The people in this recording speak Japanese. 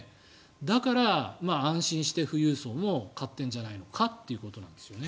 だから、安心して富裕層も買ってるんじゃないのかということなんですね。